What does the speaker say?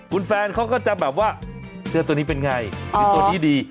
คุณแฟนเขาก็จะแบบว่าเสื้อตัวนี้เป็นไงคือตัวนี้ดี